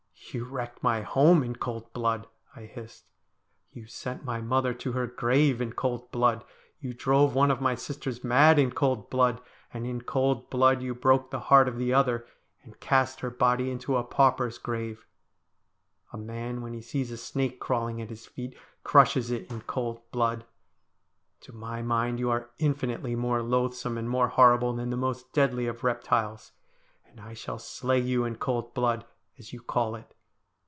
' You wrecked my home in cold blood,' I hissed. ' You sent my mother to her grave in cold blood. You drove one of my sisters mad in cold blood, and in cold blood you broke the heart of the other, and cast her body into a pauper's grave, A man, when he sees a snake crawling at his feet, crushes it in cold blood. To my mind you are infinitely more loathsome and more horrible than the most deadly of reptiles, and I shall slay you in cold blood, as you call it.